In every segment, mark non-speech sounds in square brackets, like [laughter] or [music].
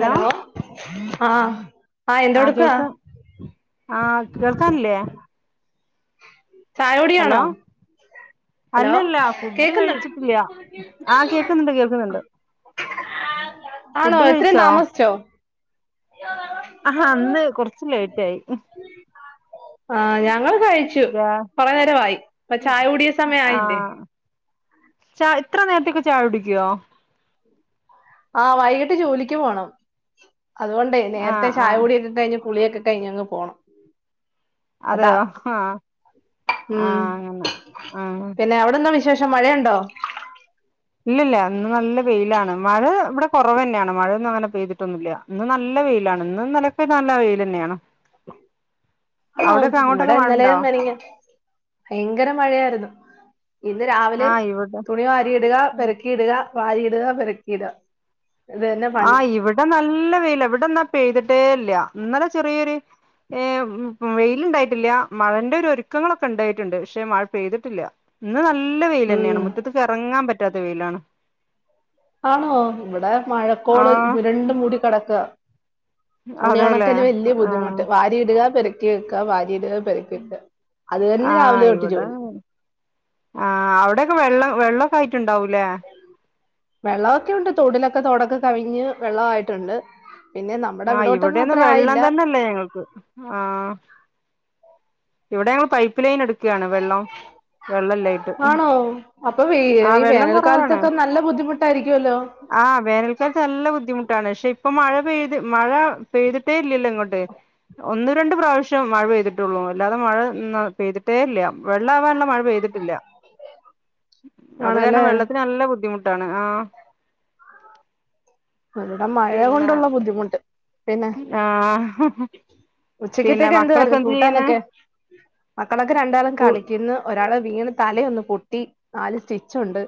Hello ആഹ ആഹ കേൾക്ക ആഹ് കേൾക്കാനില്ലേ ചായോടി ഹലോ ആണോ അല്ലല്ല ഫുഡ് കേക്കുന്നു കഴിച്ചിട്ടില്ല ആഹ കേൾക്കുന്നുണ്ട് കേൾക്കുന്നുണ്ട് ആണോ ഫുഡ് ഇത്രയും കഴിച്ചോ താമസിച്ചോ ആഹ് ആഹ അന്ന് കുറച്ച് ലേറ്റ് ആയി ആഹ ഞങ്ങൾ കഴിച്ചു ഗ്യാ കുറെ നേരമായി ഇപ്പ ചായ കുടി ആ സമയായില്ലേ ച ഇത്ര നേരത്തോക്കെ ചായ കുടിക്കുവോ ആഹ് വൈകിട്ട് ജോലിക്ക് പോണം അതുകൊണ്ടേ ആ നേരത്തെ ആ ചായ കൂടിയൊക്കെ കഴിഞ്ഞ് കുളിയൊക്കെ കഴിഞ്ഞങ് പോണം അതാ അതെയോ ആ ആ ഉം അങ്ങനെ ആ പിന്നെ അവിടെന്താ വി ശേഷം മഴയുണ്ടോ ഇല്ലല്ല ഇന്ന് നല്ല വെയിലാണ് മഴ ഇവിടെ കുറവ് തന്നെയാണ് മഴൊന്നും അങ്ങനെ പെയ്തിട്ടൊന്നും ഇല്ല ഇന്ന് നല്ല വെയിലാണ് ഇന്ന് ഇന്നല നല്ല വെയിൽ തന്നെയാണ് ആഹ അവിടൊക്കെ ഇവിടെ അങ്ങോട്ടൊക്കെ മഴ ഉണ്ടോ ഇന്നലയും മിനിഞ്ഞാന്ന് ഭയങ്കര മഴയായിരുന്നു ഇന്ന് രാവിലെ ആ ഇവിടെ തുണി വാരിയിടുക ആ പറ ഇടുക വാരിയിടുക പെറക്കിടുക ആഹ് ഇവിടെ നല്ല വെയില ഇവിടെന്നാ പെയ്തിട്ടേല്ല ഇന്നലെ ചെറിയൊരു ഏ ഉം വെയിലുണ്ടായിട്ടില്ല മഴന്റെ ഒരു ഒരുക്കങ്ങളൊക്കെ ഉണ്ടായിട്ടുണ്ട് പക്ഷെ മഴ പെയ്തിട്ടില്ല ഇന്ന് നല്ല വെയിൽ തന്നെയാണ് ഉം മുറ്റത്ത് ഇറങ്ങാൻ പറ്റാത്ത വെയിലാണ് ആണോ ഇവിടെ മഴക്കോള് ആഹ് ഇരുണ്ടു മൂടി കിടക്കുക തുണി അതെല്ലേ ഉണക്കല് വലിയ ആഹ് ബുദ്ധിമുട്ട് വാരിയിടുക പറക്കി വെക്കുക വാരിയിടുക പറക്കി വെക്കുക അത് തന്നെ രാവിലെ തൊട്ട് ജോലി ആ് അവിടെയൊക്കെ വെള്ളം വെള്ളമോക്കെ ആയിട്ടുണ്ടാവൂല്ലേ വെള്ളമൊക്കെ ഉണ്ട് തൊടിലൊക്കെ തോടൊക്കെ കവിഞ്ഞ് വെള്ള ആയിട്ടുണ്ട് ആഹ ഇവിടൊന്നും വെള്ളം തന്ന ഇല്ല ഞങ്ങക്ക് ആഹ് ഇവിടെ ഞങ്ങള് പൈപ്പ് ലൈൻ എടുക്കുകയാണ് വെള്ളം വെള്ളല്ലായിട്ട് ആണോ അപ്പൊ ആഹ് ഈ വെള്ളം വേനൽക്കാലത്തൊക്കെ നല്ല ബുദ്ധിമുട്ടായിരിക്കുവല്ലോ. ആ വേനൽക്കാലത്ത് നല്ല ബുദ്ധിമുട്ടാണ്. പക്ഷെ ഇപ്പൊ മഴ പെയ്ത് മഴ പെയ്തിട്ടേ ഇല്ലല്ലോ ഇങ്ങോട്ട്. ഒന്ന് രണ്ട് പ്രാവശ്യം മഴ പേയ്തിട്ടുള്ളൂ. അല്ലാതെ മഴ പെയ്തിട്ടേ ഇല്ല. വെള്ള ആവാനുള്ള മഴ പെയ്തിട്ടില്ല. അത് കാരണം ആണല്ലേ വെള്ളത്തിന് നല്ല ബുദ്ധിമുട്ടാണ്. ആ ഇവിട മഴ പിന്നെ കൊണ്ടുള്ള ബുദ്ധിമുട്ട്. പിന്നെ ആഹ് പിന്നെ ഉച്ചക്കത്തെക്ക് മക്കളൊക്കെ എന്തുവായിരുന്നു എന്ത് ചെയ്യുന്ന് കൂട്ടാനൊക്കെ? മക്കളൊക്കെ രണ്ടാളും കു കളിക്കുന്നു. ഒരാള് വീണ് തലയൊന്നു പൊട്ടി. നാല് സ്റ്റിച്ചുണ്ട്.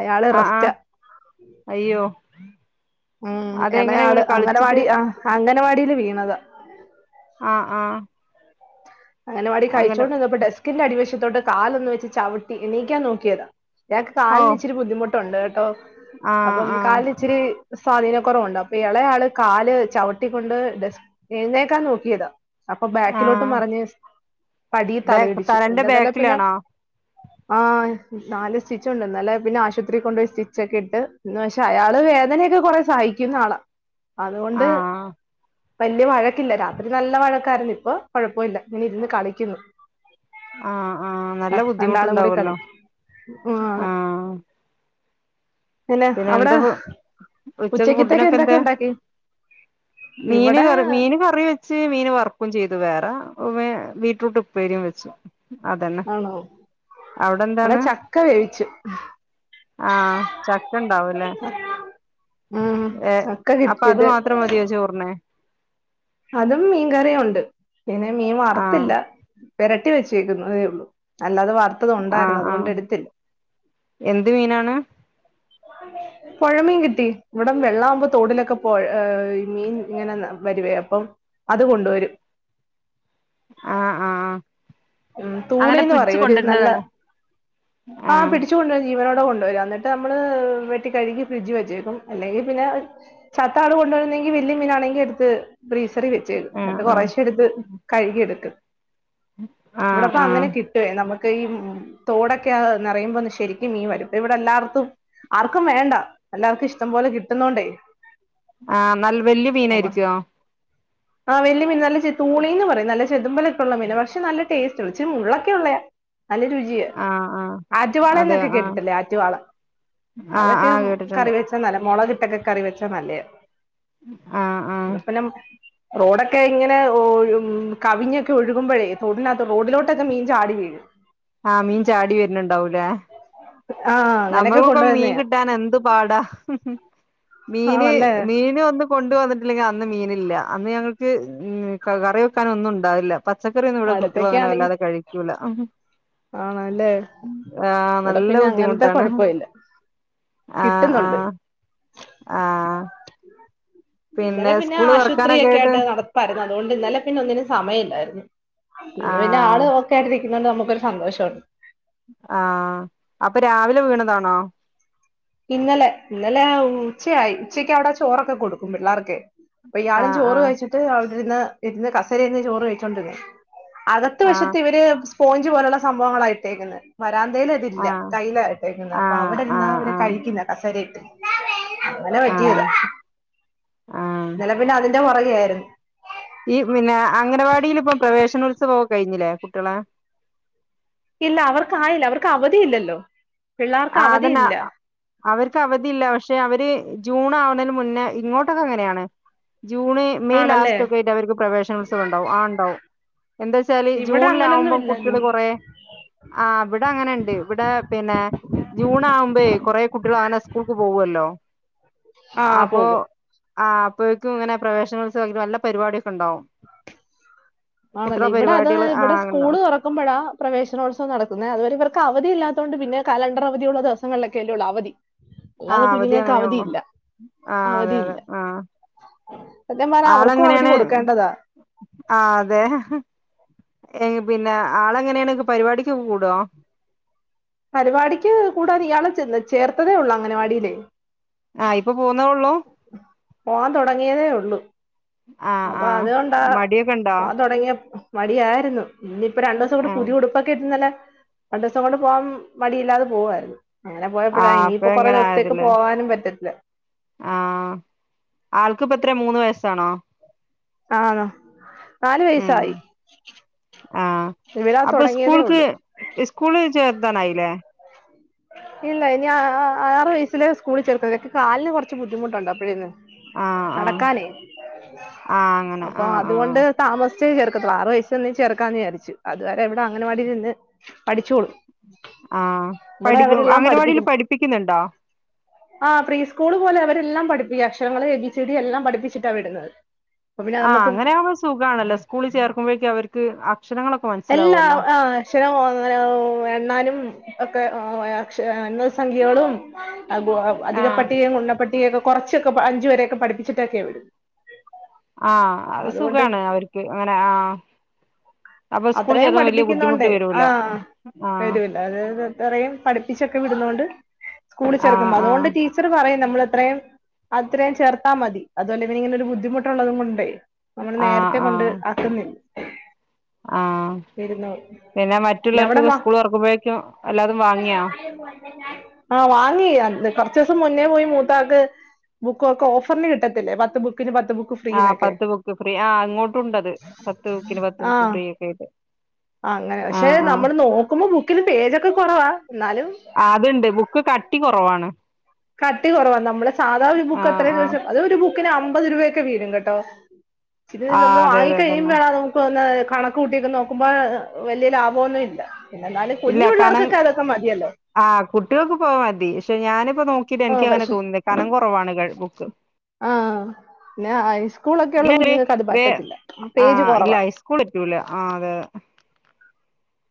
അയാള് ആഹ്, ആഹ് റെസ്റ്റാ അയ്യോ. ഉം അതെങ്ങനെ എളയാള് ഇവിടെ കളിച്ചിട്ട് അംഗനവാടി ആ അംഗനവാടീല് വീണതാ. ആഹ്, ആഹ്. അങ്കണവാടി അങ്ങനെ കഴിച്ചോണ്ടിരുന്നപ്പോ ഡസ്കിന്റെ അടിവശത്തോട്ട് കാല് ഒന്ന് വെച്ച് ചവിട്ടി എണിക്കാൻ നോക്കിയതാ. ഇയാക്ക് ഓ കാലിന് ഇച്ചിരി ബുദ്ധിമുട്ടുണ്ട് കേട്ടോ ആഹ് അപ്പം ആഹ് കാലിന് ഇച്ചിരി സ്വാധീനക്കൊറവുണ്ട്. അപ്പൊ എളയാള് കാല് ചവിട്ടിക്കൊണ്ട് ഡെസ് എഴുനേക്കാൻ നോക്കിയതാ. അപ്പൊ ബാക്കിലോട്ട് ആഹ് മറിഞ്ഞ് പടി ബേ തലയിടിച്ചു. തലന്റെ പിന്ന ഇന്നലെ പിന്നെ ബാക്കിലാണോ ആ നാല് സ്റ്റിച്ചോണ്ട്. ഇന്നലെ പിന്നെ ആശുത്രി കൊണ്ടോയി സ്റ്റിച്ച് ഒക്കെ ഇട്ട് ഇന്ന് ശെ പക്ഷെ അയാള് വേദനക്കെ കൊറേ സഹിക്കുന്ന ആളാ. അതുകൊണ്ട് ആഹ് വല്യ വഴക്കില്ല. രാത്രി നല്ല വഴക്കാരുന്നു. ഇപ്പൊ കൊഴപ്പോല്ല. ഇങ്ങനെ ഇരുന്ന് കളിക്കുന്നു. ആഹ്, ആഹ് നല്ല രണ്ടാളും കൂടി കളി ബുദ്ധിമുട്ടുണ്ടാവുല്ലോ. ആണ് ആഹ്. പിന്നെ എന്താ ഉച്ചക്ക് ഉച്ചക്കത്തേക്ക് ഫുഡിനൊക്കെ എന്തൊക്കെ എന്താ? ഉണ്ടാക്കി മീന് ഇവിടെ കറി മീന് കറി വെച്ച് മീന് വറുക്കേം ചെയ്തു വേറെ ബീട്രൂട്ട്. ഉപ്പേരിയും വെച്ചു. അതന്നെ ആണോ അവിടെ ഇവിടെ എന്താണ്? ചക്ക വേവിച്ചു ആഹ് ചക്കണ്ടാവുല്ലെ. ഉ [unintelligible] ഏ അപ്പൊ അത് മാത്രം മതിയോ ചോറിന്. അതും മീൻകറിയൊണ്ട്. പിന്നെ മീൻ ആഹ് വറുത്തില്ല. പെരട്ടി വെച്ചേക്കുന്നതേ ഉള്ളൂ. അല്ലാതെ വറുത് ആഹ്, ആഹ് എന്ത് മീനാണ്? [inaudible] പൊഴമീം കിട്ടി. ഇവിട വെള്ളം ആവുമ്പോ തോടിലൊക്കെ പോഴാ മീൻ ഇങ്ങനെ വരുവേ അപ്പം അതുകൊണ്ടുവരും. ആഹ്, ആഹ്. ഉം അങ്ങനെ തൂളിന്ന് പിടിച്ചു പറയും ഒരു നല്ല കൊണ്ടിരുന്നതാണോ ആ ആഹ് പിടിച്ച് കൊണ്ടുവരും ജീവനോടെ കൊണ്ടുവരും അന്നി ട്ട് അമ്മള് വെട്ടി കഴുകി ഫ്രിഡ്ജി വെച്ചേക്കും അല്ലെങ്കി പിന്നെ ചത്താണ് കൊണ്ടുവരുന്നെങ്കി വല്യ മീനാണെങ്കി എടുത്ത് ഫ്രീസറി വെച്ചേക്കും. ആഹ് എന്നിട്ട് ആഹ് കുറേശെ എടുത്ത് കഴുകി എടുക്കും. ആഹ് ആഹ് ഇവിടപ്പങ്ങനെ കി ട്ടുവെ നമുക്ക് ഈ തോടൊക്കെ നെറയുമ്പോ ശരിക്കും മീൻ വരും ഇവിടെ എല്ലാവർക്കും ആർക്കും വേണ്ട എല്ലാർക്കും ഇഷ്ടം പോലെ കിട്ടുന്നൊണ്ടെ ആഹ് നൽ വല്യ മീനായിരിക്കുവോ? ആ വല്യ മീൻ നല്ല ചെ തൂളിന്ന് പറയും നല്ല ചെതുമ്പലക്കുള്ള മീനാ പക്ഷെ നല്ല ടേസ്റ്റ് ഇച്ചിരി മുള്ളൊക്കെ ഒള്ളയാ എന്നാലും രു ജി ആഹ് ആഹ് അതെ ആഹ് ആറ്റുവാളന്നൊക്കെകേട്ടിട്ടില്ലേ. ആറ്റുവാള ആഹ് അതൊക്കെ ആഹ് കേട്ടിട്ടുണ്ട് കറിവെച്ച് നല്ല മുളകിട്ടൊക്കെ കറി വെച്ചാ നല്ലയ. ആഹ് ആഹ് [unintelligible] റോഡക്കെ ഇങ്ങനെ ഒ കവിഞ്ഞൊക്കെ ഒഴുകുമ്പഴേ തൊടിനാ റോഡിലോട്ടൊക്കെ മീൻ ചാടിവീഴും. ആഹ് മീൻ ചാടി വര്ണുണ്ടാവൂലേ. [inaudible] അങ്ങനെയൊക്കെ നമ്മൾക്കൊക്കെ മീൻ കൊണ്ടുവരുന്നയാ കിട്ടാൻ എന്ത് പാടാ മീന് ആണല്ലേ മീന് ഒന്ന് കൊണ്ട് വന്നിട്ടില്ലെങ്കി അന്ന് മീനില്ല അന്ന് ഞങ്ങൾക്ക് കറി വെക്കാൻ ഒന്നും ഉണ്ടാവില്ല പച്ചക്കറി ഒന്നും ഇവിടെ കുട്ടികൾ അടുത്തൊക്കെ അങ്ങനെ ആണെങ്കി വല്ലാതെ കഴിക്കൂല ആണല്ലേ ആഹ് ഇവിടെ നല്ല പിന്നെ അങ്ങനത്തെ ബുദ്ധിമുട്ടാണ് കൊഴപ്പ ഇല്ല കിട്ടുന്നുണ്ട് ആഹ ഇന്നലെ പിന്നെ സ്കൂള് ആശുപത്രി തുറക്കാനൊക്കെ ഒക്കെ ആയിട്ട് നടത് [unintelligible] അതുകൊണ്ട് ഇന്നലെ പിന്നെ ഒന്നിനും സമയല്ലായിരുന്നു ഇന്ന്പിന്നെ ആൾ ആഹ് ഓക്കേആയിട്ടി ന്നോണ്ട് നമുക്കൊരുസന്തോഷണ്ട് ആ അപ്പൊ രാവിലെ വീണതാണോ ഇന്നലെ ഇന്നലെ ഉച്ചയായി ഉച്ചയ്ക്ക് അവിടെ ചോറൊക്കെ കൊടുക്കും പിള്ളേർക്കെ അപ്പൊഇയാളും ആഹ് ചോറ് ആഹ് കഴിച്ചിട്ട് അവിടെരുന്ന് ഇരുന്ന് കസേരേലിര്ന്ന് ചോറ് കഴിച്ചോണ്ടിര് ന്നതാ അകത് ആഹ് വശത്ത് ഇവര് സ്പോഞ്ച് പോലുള്ള സംഭവങ്ങളായിട്ടേക്കന്ന് വരാന്തേൽ ഇല്ല ആഹ് ടൈലായിട്ടേക്കുന്ന് അപ്പ ആഹ് അവിടെഇരുന്നാ ആഹ് ആഹ് കസേരയിട്ട് അങ്ങനെ ആഹ് പറ്റിയതാ ആഹ് ഇന്നെലെ പിന്നഅതി ത് ന്റെ പൊറകെയാര്ന്ന് ഈ പിന്നെ അംഗനവാടീൽ ഇപ്പം പ്രവേശനോത്സവം ക്കെ കഴിഞ്ഞില്ലേ കുട്ടികളെ ഇല്ല അവർക്കായില്ല അവർക്ക് അവധി ഇല്ലല്ലോ ആഹ അതന്ന അവർക്ക് അവധി ഇല്ല പക്ഷെ അവര് ജൂൺ ആവുന്നതിന് മുന്നേ ഇങ്ങോട്ടൊക്കെ അങ്ങനെയാണ് ജൂണ് മെയ് ആണല്ലേ ലാസ്റ്റ് ഒക്കെ ആയിട്ട് അവർക്ക് പ്രവേനോത്സവ ണ്ടാവും ആ ഉണ്ടാവും എന്താ ന്താച്ചാല് ഇവിടെ അങ്ങനൊന്നും ജൂണിലാകുമ്പോം ഇല്ല കുട്ടികൾ കൊറേ ആ ഇവിടെ അങ്ങനെണ്ട് ഇവിടെ പിന്നെ ജൂൺ ആകുമ്പേയ് കൊറേ കുട്ടികൾ അങ്ങനെ സ്കൂൾക്ക് പോവല്ലോ ആ അപ്പൊ പോകും ആഅപ്പോഴേക്കും ഇങ്ങനെ പ്രവേശനോത്സവം നല്ല പരിപാടിയൊക്കെ ഉണ്ടാവും ആണല്ലേ കുട്ടികളെ ഇവിടെ അത് പരിപാടികള് ആ ഇവിടെ ഉണ്ടാവും സ്കൂള്തൊറ ക്കുമ്പോഴാ പ്രവേനോത്സവം നടക്കുന്നെ അതുവരെ ഇവർക്ക് അവധില്ലാത്തതൊണ്ട് പിന്നെ കലണ്ടർ അവധിയുള്ള ദിവസങ്ങളിലൊക്കെല്ലേഒള്ളു അവധി ആ അല്ലാതെ അവധി കുഞ്ഞുങ്ങൾക്ക് അങ്ങനെയുള്ളൂ അവധിയില്ല ആ അതെ അതെ അവധിയില്ല ആ സത്യം പറഞ്ഞ അവർക്കും അവധി ആളെങ്ങനെയാണ് കൊടുക്കേണ്ടതാ ആ അതെ പിന്നെ ആളെങ്ങനെയാണ് പരിപാടിക്ക്ഒക്കെ കൂടോ പരിപാടിക്ക് കൂടാ ഇയാളെ ചേ ചേർത്തതേ ഉള്ളൂ അംഗനവാടില്ലേ ആഹ് ഇപ്പോ പോക്ന്നതേ ഉള്ളൂ പോവാൻ തൊടങ്ങിയതേ ഉള്ളു ആഹ് അപ്പൊ ആഹ് അതുകൊണ്ടാ മടിയൊക്കെ ഉണ്ടോ പോവാൻ തൊടങ്ങിയപ്പ് മടിയായിരുന്നു ഇനിപ്പ രണ്ടു ദിവസം കൂടി ആഹ് പുതിഉടുപ്പ് പ്പൊക്കെ ഇട്ട് നല്ല രണ്ടീസം കൊണ്ട് പോവാൻ മടിയില്ലാതെ പോവുമായിരുന്നു അങ്ങനെ പോയപ്പോഴാ ആഹ് അപ്പൊ ഇനിയിപ്പോ കൊറേ എങ്ങനെ ദിവസത്തേക്ക് പോകാനും പറ്റത്തില്ല ആ ആൾക്കിപ്പത്രേ മൂന്ന് വയസ്സാണോ ആ നാലു ഉം വയസായി വിടാ തൊടങ്ങിയതേ ഉള്ളൂ ഇസ്കൂളിൽ ചേർതാനായില്ലേ ഇല്ല ഇനി ആറു വയസ്സില് സ്കൂളിൽ ചേർക്കുന്നെ കാലിന് കുറച്ചു ബുദ്ധിമുട്ടുണ്ടേ അപ്പോഴന്ന് ആഹ് ആഹ് നടക്കാനേയ് ആഹ് അങ്ങനെ അപ്പൊ ആഹ് അതുകൊണ്ട് ആഹ് താമസിച്ചേ ചേർക്കത്തുള്ളൂ ആറ് വയസ്ന്ന് ചേർക്കാന്ന് വിചാരിച് അതുവരെ വിടെ അങ്ങൻവാടിയിൽ നിന്ന് പഠിച്ചോളു ആ പഠിപ്പ അംഗനവാടിൽ പഠിപ്പിക്കും പഠിപ്പിക്കുന്നുണ്ടോ [inaudible] ആ പ്രീ സ്കൂൾ പോലെ അവരെല്ലാം പഠിപ്പി അക്ഷരങ്ങള് എബിസിഡി എല്ലാം പഠിപ്പിച്ചിട്ടാ വിടുന്നത് അപ്പൊ പിന്നെ ആഹ് നമുക്ക് അങ്ങനെകുമ്പോ സുഖാണല്ലോ സ്കൂളിൽ ചേർക്കുമ്പോഴേക്കെ അവർക്ക് അക്ഷരങ്ങളക്കെ എല്ലാ ആഹ് അക്ഷര അങ്ങന എണ്ണാനും ഒക്കെ അക്ഷര എണ്ണൽസഖ്യകളും അ അധിക ആഹ് പട്ടികയും ഗുണന പട്ടിക ഒക്കെ കുറച്ചൊക്കെ അഞ്ച് വരൊക്കെ പഠിച്ചിട്ടൊക്കെയ വരും ആഹ അഹ് സുഖാണ് അവർക്ക് അങ്ങനെ ആഹ അപ്പൊ സ്കൂളിൽ അത്രയും ചേർന്ന് വല്യ ബുദ്ധിമുട്ട് വരൂല ആ യും പഠിപ്പിച്ചൊക്കെ വിടുന്നണ്ട് സ്കൂൾ ആഹ് ചെറക്കുമ്പോ ആഹ് അതുകൊണ്ട് ർ പറയും നമ്മൾ എത്രയും അത്രയും ചേർത്താൽ മതി അതുപോലെ ഇന്നനി ഇങ്ങനെ ഒരു ബുദ്ധിമുട്ടുള്ളതും കൊണ്ടേ നമ്മള് ആഹ് നേരത്തെ കൊണ്ട് ആക്കുന്നില്ല ആഹ ഇരുന്നോളും പിന്നെ പിന്നെ അവിടെ മറ്റുള്ളവർക്കൊക്കേ മ സ്കൂൾ തുറക്കുമ്പോഴേക്കും അല്ലാതും വാങ്ങിയോ ആഹ വാങ്ങി കൊറച്ചീസം മുന്നേ പോയി മൂത്താക്ക് ബുക്ക ഒക്കെ ഓഫറിന് കിട്ടതില്ലേ പത്ത് ബുക്കിന് പത്ത് ബുക്ക് ആ് ഫ്രീന്നൊക്കെ പത്ത് ബുക്ക് ഫ്രീ ആ ഇങ്ങോട്ടുണ്ടത് പത്ത് ബുക്കിന് പത്ത് ബുക്ക് ആഹ് ഫ്രീ ഒക്കെ ആയിട്ട് അങ്ങനെ പക്ഷെ ആഹ് ആഹ് നമ്മള് നോക്കുമ്പോ ബുക്കിലും പേജൊക്കെ കുറവാ ന്നാലും അത്ണ്ട് കട്ടി കുറവാണ് കട്ടി കുറവാ നമ്മളെ സാധാ ഒരു ബുക്ക് ആഹ് എത്രയും ആഹ് ദിവസം അത് ഒരു ബുക്കിന് അമ്പത് രൂപയൊക്കെ വീരും കേട്ടോ ഇത് നമ്മ ആഹ് അതെ വങ്ങി അതെ അതന്നെ ക്കഴിയുമ്പയാണ് ന്ന് കണക്ക് കൂട്ടിക്കെ നോക്കുമ്പോ വലിയ ലാഭൊന്നും ഇല്ല പിന്നെ എന്നാലും കുഞ്ഞു പിള്ളേർക്കൊക്കെ അതൊക്കെ മതിയല്ലോ ആ് കുട്ടികൾക്ക് പോയാ മതി പക്ഷെ ഞാനിപ്പോ നോക്കിട്ട് ആഹ് എനിക്ക് അങ്ങനെ പക്ഷെ തോന്നുന്നത് കനം കുറവാണ് ബുക്ക് ആഹ പിന്നെ ഹൈ സ്കൂളൊക്കെ ഉള്ള പിന്നെ കുഞ്ഞുങ്ങൾക്ക് അത് പറ്റത്തില്ല പേജ് കുറവാണ് കൂളിക്കൂല ആ അതെ [inaudible]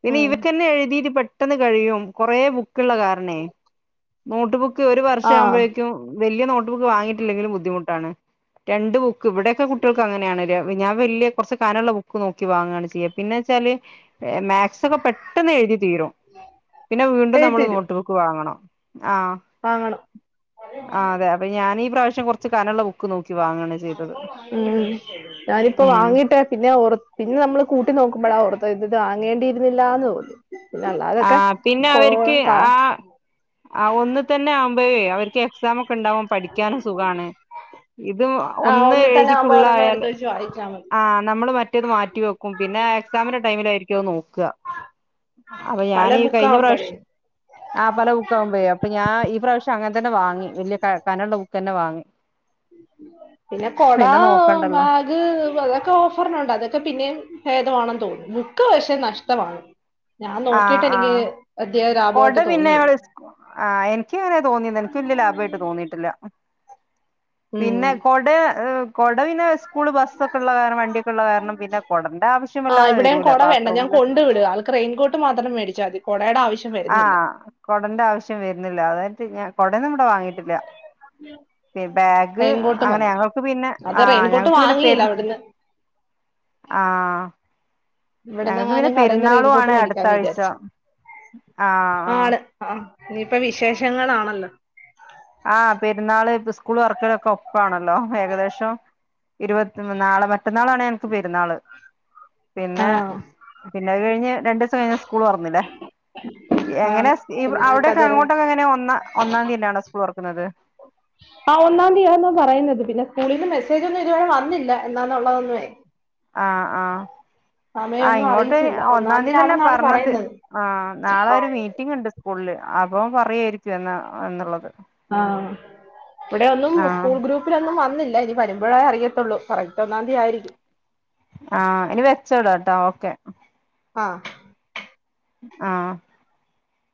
പിന്നെ ഉം ഇവക്കന്നെ എഴുതിട്ട്പെട്ടെന്ന് കഴിയും കുറെ ബുക്കുള്ള കാരണേ നോട്ട് ബുക്ക് ഒരു വർഷമാ ആഹ് ആവുമ്പോഴേക്കും വലിയ നോട്ട് ബുക്ക് വാങ്ങിട്ടില്ലെങ്കിലും ബുദ്ധിമുട്ടാണ് രണ്ട് ബുക്ക് ഇവിടെയൊക്കെ കുട്ടികൾക്ക് അങ്ങനെയാണ് ഞാൻ വലിയ കുറച്ച് കനള്ള ബുക്ക് നോക്കി വാങ്ങയാണ് ചെയ്യ പിന്നെ വെച്ചാല് മാറ്റ് സ് ഒക്കെ പെട്ടെന്ന് എഴുതി തീരും പിന്നെ വീണ്ടും ഏയ് നമ്മൾ തരും നോട്ട് ബുക്ക് വാങ്ങണം ആ വാങ്ങണം അപ്പ ഞാനീ ഈ പ്രാവശ്- ഉ ഞാനിപ്പോ ഉം വാങ്ങിട്ടേ പിന്നെ ഉറ പിന്നെ നമ്മള് കൂട്ടി നോക്കുമ്പളാ ഓർത്തെഇത് വാങ്ങേണ്ടിയിരുന്നില്ല എന്ന് തോന്നി പിന്നെ ആ അല്ലാതൊക്കെ പിന്നെ കോ അവർക്ക് ക ആ ആ ഒന്ന് തന്നെ ആവുമ്പയെ അവർക്ക് എക്സാം ഒക്കെ ഉണ്ടാവുമ്പോ പഠിക്കാനും സുഖാണ് ഇത് ആഹ് ഒന്ന് ഒന്നി തന്നെ എഴുതി ആവുമ്പോ ഒരെണ്ണം എടുത്ത് ഫുള്ളായല് വെച്ച് വായിച്ചാ മതി ആ നമ്മള് മറ്റേത് മാറ്റിവ വെക്കും പിന്നെ എക്സാമിന്റെ ടൈമിലായിരിക്കും അത് നോക്ക അപ്പൊ പഴയ ഞാനീ കഴിഞ്ഞ ബുക്കാവുമ്പഴേ പ്രാവശ് ആ് പല ബുക്കാകുമ്പേ അപ്പൊ ഞാൻ ഈ പ്രാവശ്യം അങ്ങനെ തന്നെ വാങ്ങി വലിയ കനള്ള തന്നെ വാങ്ങി പിന്നെ കൊട ബാഗ് അതൊക്കെ ഓഫറിനുണ്ട് അതൊക്കെ പിന്നെ ഭേദമാണെന്ന് തോന്നി ബുക്ക് പശേ നഷ്ടമാണ് ഞാൻ ആഹ് നോക്കിട്ട് എനിക്ക് ആഹ് അധ്യ കൊട പിന്നെ ആ എനിക്ക് അങ്ങനെ തോന്നിന്ന എനിക്ക് വല്യ ലാഭമായിട്ട് തോന്നിയിട്ടില്ല ഉം പിന്നെ കൊട കൊട പിന്നെ സ്കൂൾ ബസൊക്കെ ഉള്ള കാരണം വണ്ടിയൊക്കുള്ള കാരണം പിന്നെ കുടന്റെ ആവശ്യവല്ലാതെ വരൂല ബാത്റൂമില് വിടുക [unintelligible] റെയിൻ കോട് മാത്രം മേടിച്ചൽ മതി. കുടയുടെ ആവശ്യം വരുന്നില്ല ആഹ് കുടന്റെ ആവശ്യം വരുന്നില്ല അതായിട്ട് ഞാൻ കുടന്നും ഇവിടെ വാങ്ങിയിട്ടില്ല [inaudible] ബാഗ് റെയിൻകോട്ട് അങ്ങനെ മതി ഞങ്ങൾക്ക് പിന്നെ അത് ആ റെയിൻകോട്ട് ഞങ്ങൾക്ക് പിന്നെ പെര വാങ്ങിയില്ല അവിടുന്ന് ആഹ ഞങ്ങക്ക് പിന്നെ ഇവിടന്നെങ്ങാനും കടയിൽന്ന് പെരുന്നാളു റെയിൻകോട്ട് ആണ് അടുത്ത മേടിക്കാന്ന് ആഴ്ച വിചാരിച്ചു ആ ആ ആണ് ആ ഇനിയിപ്പ വിശേഷങ്ങളാണല്ലോ ആ പെരുന്നാള് പ സ്കൂള് തൊർക്കലൊക്കെ ഒപ്പാണല്ലോ ഏകദേശം ഇരുപത്തി നാളെ മറ്റന്നാളാണ് ഞങ്ങക്ക് പെരുന്നാള് പിന്നെ ആഹ് പിന്നെ അത് കഴിഞ്ഞ് രണ്ട് ദിവസം കഴിഞ്ഞ സ്കൂള് തൊർന്നിലേ എങ്ങനെ ആണ് ഇ അവിടെക്കെ കുഞ്ഞുങ്ങൾക്കത് അങ്ങോട്ടൊക്കെ എങ്ങനെ ഒന്ന ഒന്നാംതിയന്നാണോ സ്കൂൾ തൊർക്ക്ണത് ആ ഒന്നാം തീതിയന്ന പറയുന്നത് പിന്നെ സ്കൂളിന്ന് മെസ്സേജ് ഒന്നും ഇതുവരെ വന്നില്ല എന്നാന്നുള്ളന്ന് ആഹ് ആഹ് ആഹ് സമയമൊന്നും ഇങ്ങോട്ട് അറിയിച്ചില്ല ആ ഒന്നാം ഒന്നാന്തീ തീയതി തന്നെ ആണെന്നാണ് പറഞ്ഞത്, പറയുന്നത് ആഹ് നാളെ ഒരു മീ റ്റിങ്ങ്ണ്ട് സ്കൂളില്, അപ്പം പറയായിരിക്കും എന്നാന്നുള്ളത് ആഹ്, വടെ ഒന്നും സ്കൂൾ ഗ്രൂ പ്പ്ലൊന്നും വന്നില്ല, ഇനി വരുമ്പപൊഴേ അറിയത്തള്ളൂ, കറക്റ്റ് ഒന്നാംതിയായിരിക്കും ആഹ് ഇനി വെച്ചെടെട്ടൊ ഓക്കെ ആഹ് ആഹ്